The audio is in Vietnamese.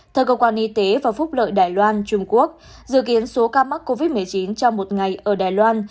theo cơ quan y tế và phúc lợi đài loan trung quốc dự kiến số ca mắc covid một mươi chín trong một ngày ở đài loan